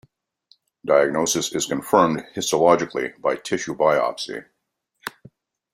Diagnosis is confirmed histologically by tissue biopsy.